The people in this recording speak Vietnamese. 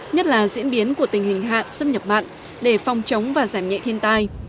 nhất là diễn biến của tình hình hạn xâm nhập mặn để phòng chống và giảm nhẹ thiên tai